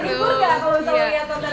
terhibur nggak kalau lihat konten malu